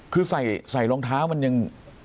คือใส่รองเท้ามันยัง